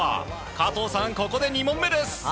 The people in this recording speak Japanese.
加藤さん、ここで２問目です。